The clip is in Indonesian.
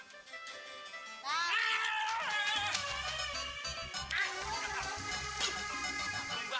gue tidur dimana ya